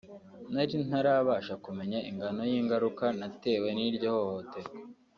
nari ntarabasha kumenya ingano y’ingaruka natewe n’iryo hohoterwa